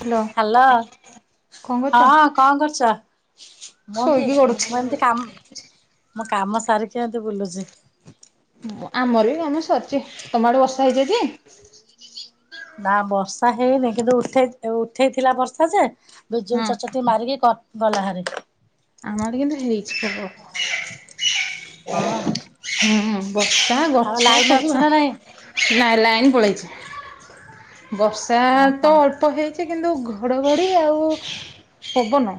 Hello hello କଣ କରୁଛ? ହଁ କଁ କରୁଚ? ମୁଁ କି ଶୋଇକି ଗଡୁଛି। ମୁଁ ଏମତି କା ମୁଁ କାମ ସାରିକି ଏନ୍ତି ବୁଲୁଚି। ମୋ ଆମର ବି କାମ ସରଚି। ତମ ଆଡେ ବର୍ଷା ହେଇଚି ଆଜି? ନାଁ ବର୍ଷା ହେଇନେଇ କିନ୍ତୁ ଉଠେଇ ଓ ଉଠେଇଥିଲା ବର୍ଷା ଯେ ହଁ ବିଜୁଳି ଚଚ ତି ମାରିକି କ ଗଲା ହାରି। ଆମ ଆଡ଼େ କିନ୍ତୁ ହେଇଚି ପବଳ। ହଁ। ହୁଁ ବର୍ଷା ଆଉ ଗଛ ଲାଇନ ସବୁ ଅଛି ଭା ନା ନାଇଁ? ଲା ଲାଇନ୍ ପଳେଇଚି। ବର୍ଷା ଓହୋ ତ ଅଳ୍ପ ହେ ଛି କିନ୍ତୁ ଘଡ଼ଘଡ଼ି ଆଉ ପବନ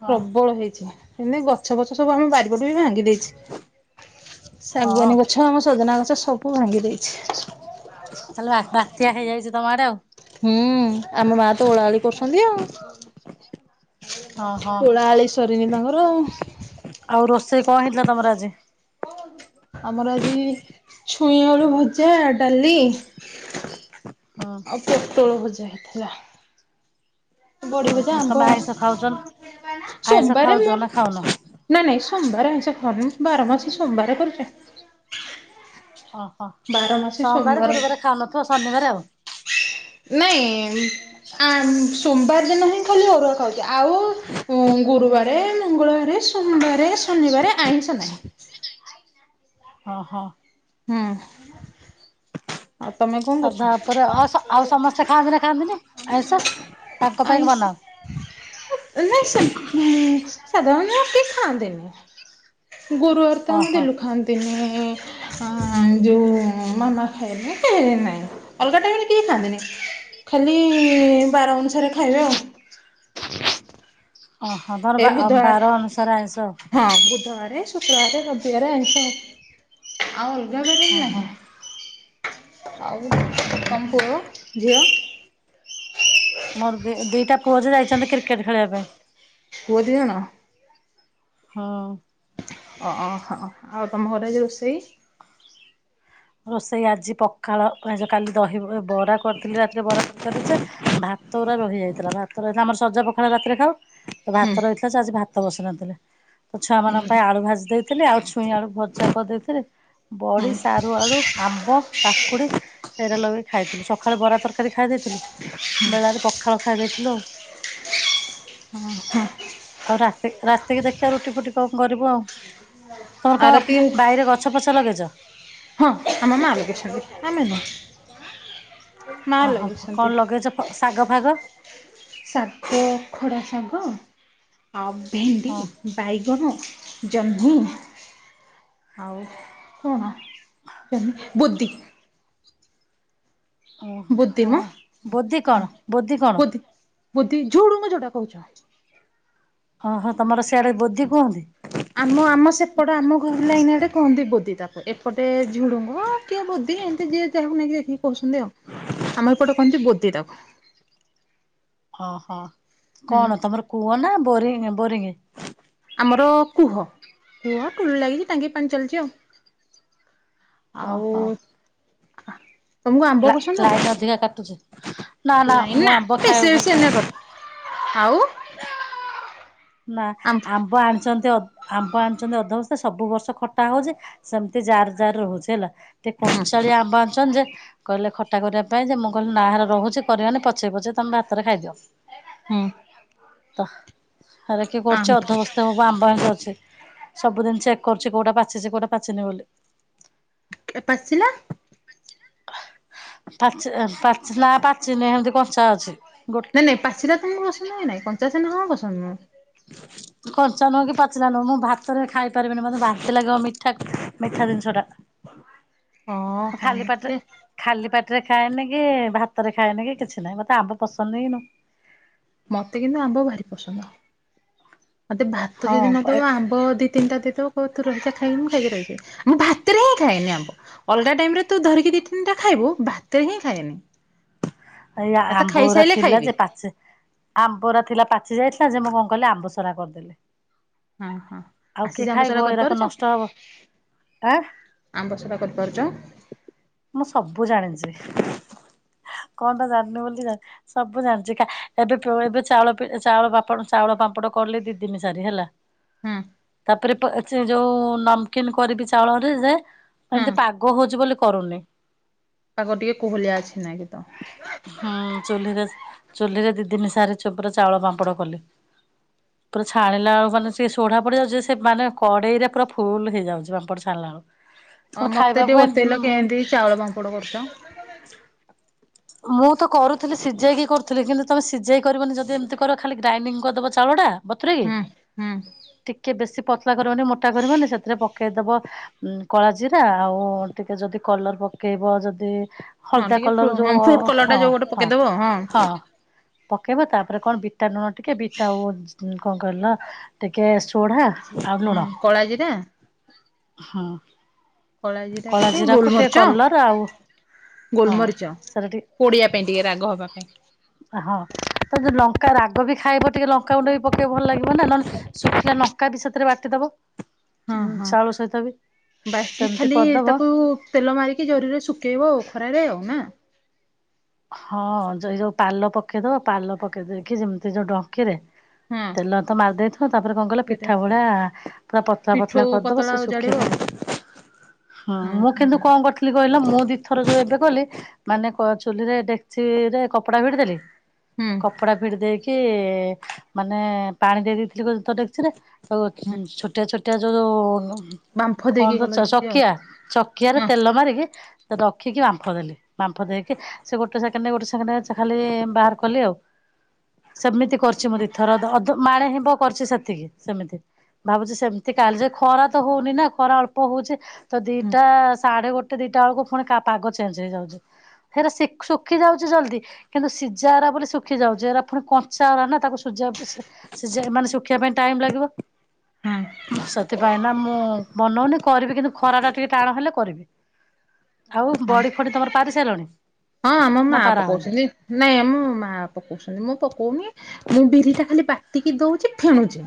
ହଁ ପ୍ରବଳ ହେଇଛି ହେନେ ଗଛ ଫଛ ସବୁ ଆମ ବାରିପଟୁ ବି ଭାଙ୍ଗି ଦେଇଛି ହଁ ଶାଗୁଆନୀ ଗଛ ଆମ ସଜନା ଗଛ ସବୁ ଭାଙ୍ଗି ଦେଇଛି। ତାଲେ ବା ବାତ୍ୟା ହେଇଯାଇଛି ତମ ଆଡ଼େ ଆଉ। ହୁଁ ଆମ ମା ତ ଓଳାଓଳି କରୁଛନ୍ତି ଆଉ। ହଁ ହଁ ଓଳାଓଳି ସରିନି ତାଙ୍କର। ଆଉ ରୋଷେଇ କଁ ହେଇଥିଲା ତମର ଆଜି? ଓ ଦୁ ଆମର ଆଜି ଛୁଇଁ ଆଳୁ ଭଜା, ଡାଲି ହଁ। ଆଉ ପୋଟଳ ଭଜା ହେଇଥିଲା। ବଡି ଭଜା ଓହୋ ଆମ୍ବ ତମେ ଆଇଁଷ ଖାଉଛ ଆଇଁଷ ସୋମବାରେ ଖାଉଛ ମୋର ନା ଖାଉନ? ନା ନାଇଁ ସୋମବାର ଆଇଁଷ [unintelligible] ବାରମାସ ସୋମବାରେ କରୁଚେ। ଓହୋ ବାରମାସୀ ସୋମବାରେ ସୋମବାର ଗୁରୁବାରେ ଖାଉନଥିବ ଶନିବାରେ ଆଉ ନାଇଁ ଆମ୍ ସୋମବାର ଦିନ ହିଁ ଖାଲି ଅରୁଆ ଖାଉଚି ଆଉ ଉଁ ଗୁରୁବାରେ ମଙ୍ଗଳବାରେ ସୋମବାରେ ଶନିବାରେ ଆଇଁସ ନାହିଁ। ଓହୋ ହୁଁ। ଆଉ ତମେ କଣ କରୁଚ? ସଧା ଉପରେ ଅସ ଆଉ ସମସ୍ତେ ଖାଆନ୍ତି ନା ଖାଆନ୍ତିନି ଆଇଁଷ ତାଙ୍କ ପାଇଁ ଆଇଁଷ ବନାଅ? ନାଇଁ ସେମ୍ ଉଁ ସାଧାରଣତ କେହି ଖାଆନ୍ତିନି। ଗୁରୁବାର ତ ଆମ ଓହୋ ଗେଲୁ ଖାଆନ୍ତିନି। ଆଁ ଯୋଉ ମାମା ଖାଇବେ ନାଇଁ ଅଲଗା ଟାଇମ ରେ କେହି ଖାଆନ୍ତିନି। ଖାଲି ବାର ଅନୁସାରେ ଖାଇବେ ଆଉ। ଓହ ଏ ବୁଧବାର ହଁ ବୁଧବାରେ ଶୁକ୍ରବାରେ ରବିବାରେ ଆଁଇସ ଆଉ ଅଲଗା ବାରେ ନାହିଁ ଓହୋ। ଆଉ ତମ ପୁଅ, ଝିଅ ମୋର ଦି ଦିଇଟା ପୁଅ ଯେ ଯାଇଚନ୍ତି କ୍ରିକେଟ ଖେଳିବା ପାଇଁ। ପୁଅ ଦି ଜଣ। ହଁ। ଓ ହ ଆଉ ତମ ଘରେ ଆଜି ରୋଷେଇ ରୋଷେଇ ଆଜି ପଖାଳ ଏ ଯୋ କାଲି ଦହି ବରା କରିଥିଲି ରାତିରେ ବରା [unintelligible] ଭାତ ଗୋରା ରହିଯାଇଥିଲା। ଭାତ ରହିଲେ ଆମର ସଜପଖାଳ ରାତିରେ ଖାଉ। [inaudible] ଭାତ ରହିଥିଲା ଯେ ଆଜି ଭାତ ବସି ନଥିଲେ। ଛୁଆ ମାନଙ୍କ ପାଇଁ ଆଳୁଭାଜି ଦେଇଥିଲି, ଆଉ ଛୁଁଇ ଆଳୁ ଭଜା କରିଦେଇଥିଲି। ହୁଁ ବଡି, ସାରୁ, ଆଳୁ ଆମ୍ବ କାକୁଡି [unintelligible] ଲଗେଇ ଖାଇଥିଲୁ ସଖାଳେ ବରା ତରକାରୀ ଖାଇଦେଇଥିଲୁ ବେଳାରେ ପଖାଳ ଖାଇ ଦେଇଥିଲ। ଲୋ ହଁ ହ ଆଉ ରାତି ରାତିକି ଦେଖିଆ ରୁଟିଫୁଟି କଣ କରିବୁଆଉ ତମର ଆଉ କ ରାତି ବାଇରେ ଗ ଛ ପଛ ଲଗେଇଚ ହଁ ଆମ [unintelligible] ଆମେ ନୁହଁ ମା ଓହୋ ଲଗେଇଛନ୍ତି କଣ ଲଗେଇଚ ଫ ଶାଗଫାଗ ଶାଗ ଖଡ଼ାଶାଗ ଆଉ ଭେଣ୍ଡି। ହଁ ବାଇଗଣ ଜହ୍ନି ଆଉ କଣ [unintelligible] ବୁଦି ଓ ବୋଦି ହଁ ମ ବୋଦି କଣ ବୋଦି କଣ? ବୁଦ୍ଧି ଝୁଂଡୁଙ୍ଗ ଯୋଉଟା କହୁଚ। ହଁ ହଁ ତମର ସିଆଡେ ବୋଧି କୁହନ୍ତି। ଆମ ଆମ ସେପଟ ଆମ ଘର ଲାଇନି ଆଡେ କୁହନ୍ତି ବୋଦିତାପ ଏପଟେ ଝୁଡ଼ୁଙ୍ଗ କିଏ ବୋଦି ଏମିତି ଯିଏ ଯାହାକୁ ନେଇକି ଦେଖିକି କହୁଛନ୍ତି ଆଉ ଆମ ଏପଟେ କହନ୍ତି ବୋଦି ତାକୁ ଓହୋ ହୁଁ କଣ ତମର କୂଅ ନା ବୋରି ବୋରିଙ୍ଗ? ଆମର କୁହ କୂହ ଟୁଳି ଲାଗିଚି ଟାଙ୍କି ପାଣି ଚାଲିଚି ଆଉ। ଓହୋ। ଆଉ ତମକୁ ଆମ୍ବ ଲା ପସନ୍ଦ ଲାଇନ ଅଧିକା କାଟୁଛି। ନା ଲାଇନ ମୁଁ ନା ଆମ୍ବ ବେଶୀ ଖାଇବାକୁ ଭଲ ବେଶୀ ପାଏ ଏନେ କର ଆଉ ନା ଆମ୍ବ ଆଣିଛନ୍ତି ଅ ଆମ୍ବ ଆଣିଛନ୍ତି ଅଧବସ୍ଥା। ସବୁବର୍ଷ ଖଟା ହଉଛି, ସେମିତି ଜାର ଜାର ରହୁଛି ହେଲା। ଟି ହୁଁ। ଚାଳିଆ ଆମ୍ବ ଆଣୁଛନ୍ତି ଯେ କହିଲେ ଖଟା କରିବା ପାଇଁ ଯେ ମୁଁ କହିଲି ନାହାରେ ରହୁଛି କରିବାନି ପଛେଇ ପଛେଇ ତମେ ଭାତରେ ଖାଇଦିଅ। ହୁଁ। ତ ହେରା କିଏ କରୁଛି ଆମ୍ବ ଅଧବସ୍ତା ହେବ ଆମ୍ବ ଆଣି ଅଛି। ସବୁଦିନ ଚେକ କରୁଛି କୋଉଟା ପାଚିଛି କୋଉଟା ପାଚିନି ବୋଲି। ଏ ପାଚିଲା ପାଚି ପାଚିଲା ନା ପାଚିନି ଏମିତି କଞ୍ଚା ଅଛି। ଗୋ ନାଇଁ ନାଇଁ ପାଚିଲା ତ ମୁ ପସନ୍ଦ ଏ ନାଇଁ। କଞ୍ଚା ସିନା ହ ପସନ୍ଦ ମୁଁ କଞ୍ଚା ନୁହଁ କି ପାଚିଲା ନୁହଁ ମୁଁ ଭାତରେ ଖାଇପାରିବିନି ମତେ ବାନ୍ତି ଲାଗିବ ମିଠା ମିଠା ଜିନିଷ ଟା। ହଁ ମୁଁ ହଁ ଖାଲି ପାଟିରେ ସେ ଖାଲି ପାଟିରେ ଖାଏନି କି ଭାତରେ ଖାଏନି କି କିଛିନାହିଁ। ମତେ ଆମ୍ବ ପସନ୍ଦ ନୁହେଁ କି ମତେ କିନ୍ତୁ ଆମ୍ବ ଭାରି ପସନ୍ଦ। ମତେ ଭାତ ଯଦି ହଁ ନଦବ ଆମ୍ବ ଦି ତିନିଟା ଦେଇଦବ ହଉ ତୁ ରହିଯା ଖାଇ ମୁଁ ଖାଇକି ରହିଚେ। ମୁଁ ଭାତରେ ହିଁ ଖାଏନି ଆମ୍ୱ। ଅଲଗା ଟାଇମରେ ତୁ ଧରିକି ଦି ତିନିଟା ଖାଇବୁ ଭାତରେ ହିଁ ଖାଏନି। ଏଇ ଭାତ ଆମ୍ବଓରା ଖାଇସାରିଲେ ଖାଇବି ଥିଲାଯେ ପାଚେ ଆମ୍ବରା ଥିଲା ପାଚି ଯାଇଥିଲା ଯେ ମୁଁ କଣ କଲି ଆମ୍ବସୋରା କରିଦେଲି। ହଁ ହଁ ଆଉ କିଏ ଆସିଛି ଖାଇବ ଆମ୍ବସରା ଏରାକ କରିପାରୁଛ? ନଷ୍ଟ ହବ ଆଁ ଆମ୍ବସୋରା କରିପାରୁଛ? ମୁଁ ସବୁ ଜାଣିଛି। କଣଟା ଜାଣିନୁ ବୋଲି କ ସବୁ ଜାଣିଚି କା ଏବେ ଏବେ ଚାଉଳ ପି ଚାଉଳ ପାପ ଚାଉଳ ପାମ୍ପଡ଼ କଲି ଦି ଦିନି ସାରି ହେଲା। ହୁଁ ତାପରେ ପ ଯୋଉ ନମକିନ୍ କରିବି ଚାଉଳରେ ଯେ ହଁ ଏମିତି ପାଗ ହଉଛି ବୋଲି କରୁନି। ପାଗ ଟିକେ କହୁଲିଆ ଅଛି ନାଇଁ କି ତ। ହୁଁ ଚୁଲିରେ ଚୁଲିରେ ଦି ଦିନି ସାରି ପୁରା ଚାଉଳ ପାମ୍ପଡ କଲି। ପୁରା ଛାଣିଲା ବେଳୁ ମାନେ ପୋଢା ପଡି ଯାଉଛି। ସେ ମାନେ କଡେଇରେ ପୁରା ଫୁଲ ହେଇଯାଉଛି ପାମ୍ପଡ ଛାଣିଲାଳକୁ। ଅ ମତେ ଟିକେ ବତେଇଲ କେନ୍ତି ଚାଉଳ ପାମ୍ପଡ କରୁଛ? ମୁଁ ତ କରୁଥିଲି ସିଝେଇକି କରୁଥିଲି କିନ୍ତୁ ତମେ ସିଝେଇ କରିବନି ଯଦି ଏମିତି କରିବ ଖାଲି ଗ୍ରାଇଣ୍ଡିଙ୍ଗ କରିଦବ ଚାଉଳଟା। ବତୁରେଇକି ହୁଁ ହୁଁ। ଟିକେ ବେଶୀ ପତଲା କରିବନି ମୋଟା କରିବନି ସେଥିରେ ପକେଇଦବ ଉ କଳାଜିରା ଆଉ ଟିକେ ଯଦି କଲର ପକେଇବ ଯଦି ହଁ ହଳଦା ଟିକେ ଫ୍ରୁ କଲର ହଁ ଯୋଉ ଫ୍ରୁଟ୍ କଲର ଟା ହଁ ଯୋଉ ଗୋଟେ ହଁ ପକେଇଦବ ହଁ। ପକେଇବ ତାପରେ କଣ ବିଟାଲୁଣ ଟିକେ ବିଟା କଣ କହିଲ ଟିକେ ସୋଢା ଆଉ ହଁ ଲୁଣ କଳା ଜିରା ହୁଁ। କଳା ଜିରା ଟିକେ କଳାଜିରା କୁ ଟିକେ ଗୋଲମରିଚ କଲର ଆଉ ହଁ। ଗୋଲମରିଚ ସେରାଟି ପୋଡିବା ପାଇଁ ଟିକେ ରାଗ ହବା ପାଇଁ ହଁ। ତ ଯି ଲଙ୍କା ରାଗ ବି ଖାଇବ ଟିକେ ଲଙ୍କାଉଣ୍ଡ ବି ପକେଇବ ଭଲ ଲାଗିବ ନା ନହଲେ ଶୁଖିଲା ନଙ୍କା ବି ସେଥିରେ ବାଟିଦବ। ହଁ ଉଁ ହଁ। ଚାଉଳ ସହିତ ବି ବାଟି ସେମତି ଖାଲି କରିଦବ ତାକୁ ତେଲ ମାରିକି ଜରିରେ ଶୁକେଇବ ଆଉ ଖରାରେ ଆଉ ନା। ହଁ ଯଇ ଯୋଉ ପାଲ ପକେଇଦବ ପାଲ ପକେଇ ଦେଇକି ଯେମିତି ଯୋଉ ଡଙ୍କିରେ ହଁ ତେଲ ତ ମାର ଦେଇଥି ବ ତାପରେ କଣ କହିଲ ସେଟା ପିଠା ଭଳା ପୁରା ପତଲା ପତଲା ପିଠଉ କରିଦବ ପତଳା ସେ ଓଜାଡିବ ଶୁଖେଇଦ ହଁ ହୁଁ ମୁଁ ହୁଁ କିନ୍ତୁ କଣ କରଥିଲି କହିଲ ମୁଁ ଦି ଥର ଯୋଉ ଏବେ କଲି ମାନେ କ ଚୁଲିରେ ଡେକ୍ଚି ରେ କପଡା ଭିଡି ଦେଲି ହୁଁ କପଡା ଭିଡି ଦେଇକି ମାନେ ପାଣି ଦେଇ ଦେଇେଇଥିଲି ବହୁତ୍ ଡେକିଚିରେ ଆଉ ହୁଁ ଛୋଟିଆ ଛୋଟିଆ ଯୋଉ ଯୋଉ ବାମ୍ଫ କଣ ଦେଇକି କଲ ଦଉଚ ଯେମିତି ଆଉ ଚକିଆ ଚକିଆରେ ହଁ ତେଲ ମାରିକି ରଖିକି ବାମ୍ଫ ଦେଲି ବାମ୍ଫ ଦେଇକି ସେ ଗୋଟେ ସେକେଣ୍ଡେ ଗୋଟେ ସେକେଣ୍ଡେ ଖାଲି ବାହାର କଲି ଆଉ। ସେମିତି କରିଛି ମୁଁ ଦି ଥର ଅଧେ ମାଣେ ହବ କରିଛି ସେତିକି। ସେମିତି ଭାବୁଛି ସେମତି କାଲି ଯେ ଖରା ତ ହଉନି ନା ଖରା ଅଳ୍ପ ହଉଛି। ତ ହୁଁ ଦିଟା ସାଢେ ଗୋଟେ ଦିଟା ବେଳକୁ ପୁଣି ପାଗ ଚେଞ୍ଜ ହେଇଯାଉଛି ଫେର୍ ସି ଶୁଖି ଯାଉଛି ଜଲ୍ଦି କିନ୍ତୁ ସିଝା ଗୁରା ବୋଲି ଶୁଖି ଯାଉଛି ଏରା ପୁଣି କଞ୍ଚା ଗୁରା ନା ତାକୁ ସିଝାକୁ ସିଝେଇ ମାନେ ଶୁଖିବା ପାଇଁ ଟାଇମ ଲାଗିବ। ହଁ। ସେଥିପାଇଁ ନା ମୁଁ ବନଉନି କରିବି କିନ୍ତୁ ଖରା ଟା ଟିକେ ଟାଣ ହେଲେ କରିବି। ଆଉ ଓହୋ ବଡି ଫଡି ତମର ପାରି ସାରିଲଣି ହଁ ଆମ ନା ମା ପାରା ହଉନି ପକଉଛନ୍ତି। ନାଇଁ ମୋ ମା ପକଉଛନ୍ତି ମୁଁ ପକଉନି ମୁଁ ବିରି ଟା ଖାଲି ବାଟିକି ଦଉଛି ଫେଣୁଛି।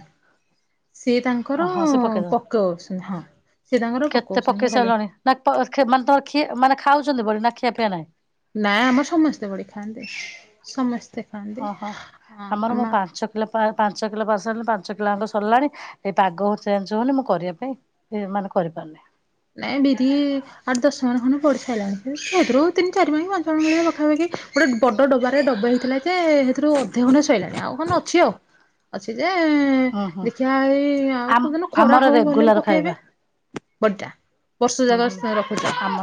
ସିଏ ତାଙ୍କର ଓହୋ ସେ ପକେଇଦବ। ପୋକଉଛି ହଁ ସିଏ ତାଙ୍କର କେତେ ପୋକଛନ୍ତି ପକେଇ ମୁଁ ଗଲେ ସାରିଲଣି ନା ତ ମାନେ ତୋର ଖିଏ ମାନେ ଖାଉଛନ୍ତି ବୋଲି ନା ଖିଆ ପିଆ ନାଇଁ। ନା ଆମ ସମସ୍ତେ ବଢି ଖାଆନ୍ତି ସମସ୍ତେ ଖାଆନ୍ତି ହଁ ହଁ। ଆମର ମୁଁ ଆମ ପାଞ୍ଚ ପାଞ୍ଚ କିଲୋ ପସାରିଲି ପାଞ୍ଚ କିଲୋ ଆଙ୍କ ସରିଲାଣି ଏଇ ପାଗ ହ ଚେଞ୍ଜ ହଉନି ମୁଁ କରିବା ପାଇଁ ହେ ମାନେ କରିପାରୁନି। ନାଇଁ ବିରି ଆଠ ଦଶ ଗଅଣି ଖଣ୍ଡେ ପଡି ସାରିଲାଣି ସେଥିରୁ ତିନ ଚାରି ଗଣି ପାଞ୍ଚ ଗଣି ଭଳିଆ ପାଖାପାଖି ଗୋଟେ ବଡ ଡବାରେ ଡବା ହେଇଥିଲା ଯେ ସେଥିରୁ ଅଧେ ଖଣ୍ଡେ ସଇଲାଣି ଆଉ କଣ ଅଛି ଆଉ। ଅଛି ଯେ ହୁଁ ହୁଁ। ଦେଖିବା ଏଇ ଆଉ ଆମ କୋଦିନୁ ଖରା ଆମର ହଉ ଭଲରେ ରେଗୁଲାର ଖାଇବା ପକେଇବେ। ହୁଁ ହୁଁ। [unintelligible] ଆମ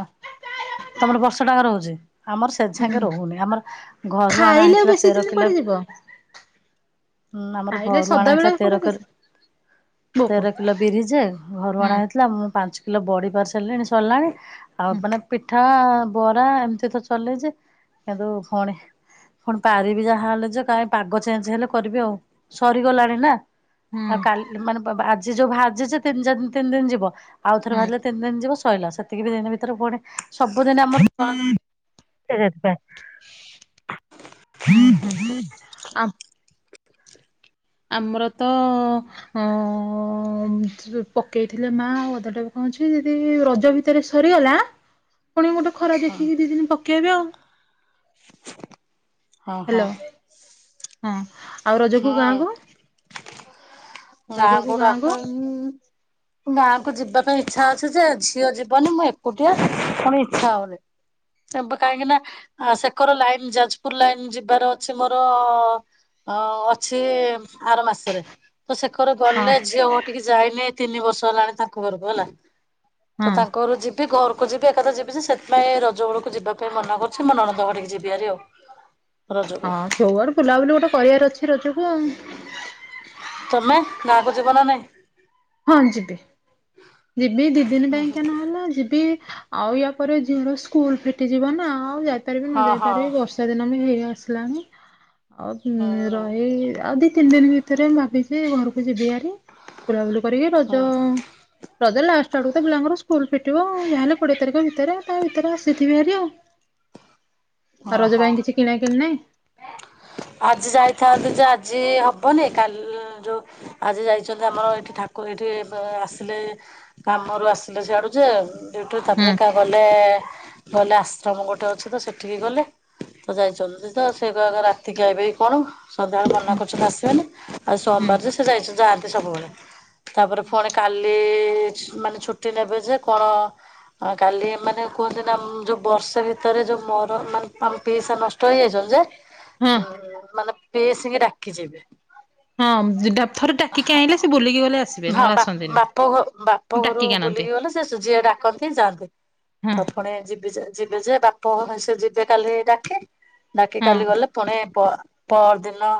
ତମର ବର୍ଷ ଟାକ ଯାକ ରହୁଛି ଆମର ସେ ଝାଙ୍କେ ହୁଁ ରହୁନି ଆମର ଘରୁ ଆଣା ଖାଇଲେ ଆଉ ହେଥିଲା ବେଶୀ ତେର ଦିନ କୁଆଡେ ଯିବ। କିିଲୋମ। ହୁଁ ଆମର ଖାଇଲେ ଘରୁ ଆଣା ସଦାବେଳେ ହେଇଥିଲା କୁଆଡେ ତେର ବେଶୀ କିଲୋ ବୋଉ କୁହ। ତେର କିଲୋ ବିରି ଯେ ଘରୁ ଅଣା ହୁଁ ହେଇଥିଲା ମୁଁ ପାଞ୍ଚକିଲୋ କିଲୋ ବଡ଼ି ପାରିସାରିଲିଣି ସରିଲାଣି ଆଉ ହୁଁ ମାନେ ପିଠା ବରା ଏମିତି ତ ଚଲେଇଛି କିନ୍ତୁ ପୁଣି ପୁଣି ପାରିବି ଯାହା ହେଲେ ଯେ କାହିଁ ପାଗ ଚେଞ୍ଜ ହେଲେ କରିବି ଆଉ ସରିଗଲାଣି ନା। ହୁଁ ଆଉ କାଲି ମାନେ ଆଜି ଯୋଉ ଭାଜିଛି ତିନି ତିନି ଦିନ ଯିବ ଆଉ ଥରେ ହୁଁ ଭାଜିଲେ ତିନି ଦିନ ଯିବ ସଇଲା ସେତିକି ବି ଦିନ ଭିତରେ ପୁଣି ସବୁଦିନ ଆମର [unintelligible] [inaudible] ହୁଁ [inaudible] ଆ ଆମର ତ ଅ ପଠେଇଥିଲେ ମା ଆଉ ଅଧ ଦବାଏ କଣ ଅଛି ଯଦି ରଜ ଭିତରେ ଭିତରେ ସରିଗଲା ପୁଣି ଗୋଟେ ଖରା ହଁ ଦେଖିକି ଦି ଦିନ ପକେଇବେ ଆଉ। [inaudible] ହଁ ହ୍ୟାଲୋ ହଁ ଆଉ ରଜକୁ ଗାଁ କୁ ଗାଁ କୁ ଗାଁକୁ ଆସ [inaudible] ଗାଁ କୁ ଯିବା ପାଇଁ ଇଚ୍ଛା ଅଛି ଯେ ଝିଅ ଯିବନି ମୁଁ ଏକୁଟିଆ ପୁଣି ଇଚ୍ଛା ହଉନି କାହିଁକି ନା ସେକର ଲାଇନ ଯାଜପୁର ଲାଇନ ଯିବାର ଅଛି ମୋର ଅଁ ଅଛି ଆର ମାସରେ ତ ସେକର ହଁ ଗଲେ ଝିଅ ଘର ଟିକେ ଯାଇନି ତିନି ବର୍ଷ ହେଲାଣି ତାଙ୍କ ଘରକୁ ହେଲା ତ ହଁ ତାଙ୍କ ଘରକୁ ଯି ବି ଘରକୁ ଯିବି ଏକାଥରେ ଯିବି ଯେ ସେଥିପାଇଁ ରଜବେଳକୁ ଯିବା ପାଇଁ ମନା କରୁଛି ମୋ ନଣନ୍ଦ ହଟିକି ଯିବିହାରି ଆଉ ରଜକୁ ହଁ ଯୋଉଆଡେ ବୁଲାବୁଲି ଗୋଟେ କରିବାର ଅଛି ରଜକୁ ଆଉ ତମେ ଗାଁକୁ ଯିବ ନା ନାଇଁ ହଁ ଯିବି ଯିବି ଦି ଦିନ ପାଇଁକା ନହେଲେ ଯିବି ଆଉ ୟା ପରେ ଝିଅର ସ୍କୁଲ ଫିଟିଯିବ ନା ଆଉ ଯାଇପାରିବି ନ ହଁ ଯାଇ ହଁ ପାରିବି ବ ର୍ଷା ଦିନ ବି ହେଇ ଆସିଲାଣି ଆଉ ରହି ଆଉ ଦି ତିନି ଦିନ ଭି ତରେ ମୁଁ ଭାବିଛି ଘରକୁ ଯିବି ହାରି ବୁଲାବୁଲି କରିକି ରଜ ହଁ ରଜ ଲାଷ୍ଟ ଆଡକୁ ତ ପିଲାଙ୍କର ସ୍କୁଲ ଫିଟିବ ଯାହାହେଲେ କୋଡିଏ ତାରିଖ ଭିତରେ ତା ଭିତରେ ଆସିଥିବି ହାରି ଆଉ ଆଉ ହଁ ରଜ ହଁ ପାଇଁ କିଛି କିଣାକିଣିି ନାହିଁ ଆଜି ଯାଇଥାନ୍ତୁ ଯେ ଆଜି ହବନି କାଲି ଯୋଉ ଆଜି ଯାଇଛନ୍ତି ଆମର ଏଇଠି ଠାକୁ ଏଇଠି ଆସିଲେ କାମରୁ ଆସିଲେ ସିଆଡୁ ଯେ ଏଠୁ ହୁଁ ତାପରେ ଏକା ଗଲେ ଗଲେ ଆଶ୍ରମ ଗୋଟେ ଅଛି ତ ସେଠିକି ଗଲେ ତ ଯାଇଛନ୍ତି ତ ସେଗୁଡାକ ରାତିକି ଆଇବେ କଣ ସଦାବେଳେ ମନା କରୁଛନ୍ତି ଆସିବେନି ଆଉ ହୁଁ ସୋମବାର ସେ ଯାଇଛ ଯାଆନ୍ତି ସବୁବେଳେ ତାପରେ ପୁଣି କାଲି ଛୁ ମାନେ ଛୁଟି ନେବେ ଯେ କଣ ହଁ କାଲି ଏ ମାନେ କୁହନ୍ତି ନା ଯୋଉ ବର୍ଷେ ଭିତରେ ଯୋଉ ମର ମାନେ ଆମ ପିଇସା ନଷ୍ଟ ହେଇଯାଇଛନ୍ତି ହଁ। ଯେ ମାନେ ପିଇସି ଙ୍କି ଡାକି ଯିବେ ହଁ ଥରେ ଡାକିକି ଆଣିଲେ ସେ ବୁଲିକି ଗଲେ ଆସିବେ ନହେଲେ ଆସନ୍ତିନି ପ ଘରୁ ଡାକିକି ଆଣନ୍ତି। ବୁଲିକି ଗଲେ ସେ ସୁଝିଆ ଡାକନ୍ତିି ଯାଆନ୍ତି ହଁ ଫୁଣି ଯିବି ଯିବେ ଯେ ବାପ ଘରେ ସେ ଯିବେ କାଲି ଡାକି ଡାକି ହଁ କାଲି ଗଲେ ପୁଣି ପ ପର ଦିନ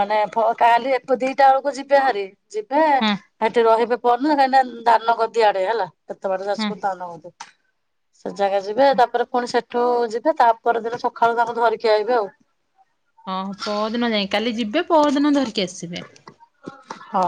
ମାନେ କାଲି ଏକ ଦିଟା ବେଳକୁ ଯିବେ ହାରି ଯିବେ ହଁ ସେଠି ରହିବେ ପର ନ କାହିଁକିନା ଦାନ ଗଦିଆଡେ ହେଲା ଏତେ ବାଟ ହଁ ଯାଜପୁର ଟାଉନ ବୋଧେ ସେ ଜାଗା ଯିବେ ତାପରେ ପୁଣି ସେଠୁ ଯିବେ ତା ପରଦିନ ସକାଳୁ ତାଙ୍କୁ ଧରିକି ଆଇବେ ଆଉ ହଁ ପହର ଦିନ ଯାଇ କାଲି ଯିବେ ପହର ଦିନ ଧରିକି ଆସିବେ ହଁ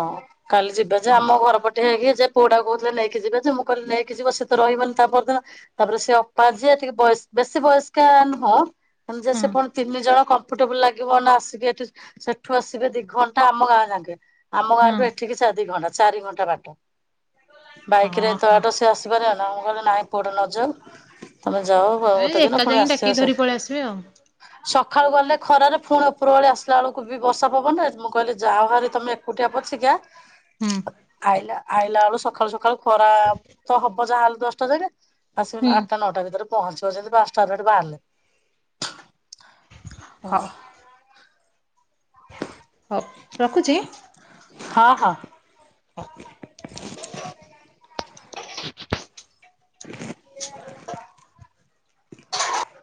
କାଲି ଯିବେ ଯେ ହଁ ଆମ ଘର ପ ଟେ ହେଇକି ସେ ପୁଅଟା କୁ କହୁଥିଲେ ନେଇକି ଯିବେ ଯେ ମୁଁ କହିଲି ନେଇକି ଯିବ ସେ ତ ରହିବନି ତା ପରଦିନ ତାପରେ ସେ ଅପା ଯିଏ ଟିକେ ବୟସ ବେଶୀ ବୟସ୍କା ନୁହଁ ଯେ ହଁ ସେ ପୁଣି ତିନି ଜଣ କମ୍ଫର୍ଟେବୁଲ ଲାଗିବ ନା ଆସିବେ ଏଠି ସେଠୁ ଆସିବେ ଦି ଘ ତ ଆମ ଗାଁ ଯାକେ ଆମ ହଁ ଗାଁଠୁ ଏଠିକି ଚାରି ଘଣ୍ଟା ଚାରି ଘଣ୍ଟା ବାଟ ବାଇକ ରେ ହଁ ଏତେ ହଁ ବାଟ ସେ ଆସିପାରିବେ ନା ମୁଁ କହିଲି ନାଇଁ ପୁଆଟା ନ ଯାଉ ତମେ ଯାଅ ଏ ଗୋଟେ ଏକା ଦିନ ପୁଣି ଯାଇକି ଆସିିବ ଡାକିକି ସେ ଧରି ପଳେଇ ଆସିବେ ଆଉ ସକାଳୁ ଗଲେ ଖରାରେ ପୁଣି ଉପର ବଳି ଆସିଲା ବେଳକୁ ବି ବର୍ଷା ପବନ କହିଲେ ଯା ହାରି ତମେ ଏକୁଟିଆ ପଛିକା ହୁଁ ଆଇଲା ଆଇଲା ବେଳୁ ସକାଳୁ ସକାଳୁ ଖରା ତ ହବ ଯାହାହେଲେ ଦଶଟା ଯାଏକେ ଆସିବି ହୁଁ। ଆଠଟା ନଅଟା ଭିତରେ। ପହଞ୍ଚିବ ଯଦି ପାଞ୍ଚଟାରୁ ଏଠୁ ହଉ ବାହାରିଲେ। ହଉ ରଖୁଛି। ହଁ ହଁ। ହ। [inaudible]